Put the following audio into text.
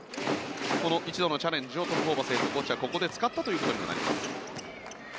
この１度のチャレンジをトム・ホーバスヘッドコーチはここで使ったということにもなります。